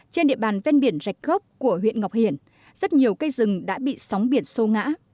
trên địa bàn ven biển rạch gốc của huyện ngọc hiển rất nhiều cây rừng đã bị sóng biển sô ngã